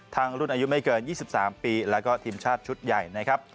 ทางรุ่นอายุไม่เกิน๒๓ปีและทีมชาติชุดใหญ่